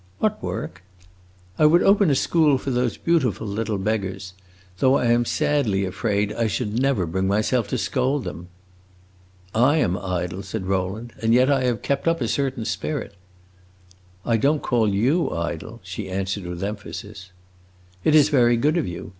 "What work?" "I would open a school for those beautiful little beggars; though I am sadly afraid I should never bring myself to scold them." "I am idle," said Rowland, "and yet I have kept up a certain spirit." "I don't call you idle," she answered with emphasis. "It is very good of you.